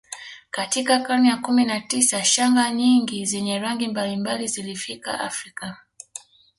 Katika karne ya kumi na tisa shanga nyingi zenye rangi mbalimbali zilifika Afrika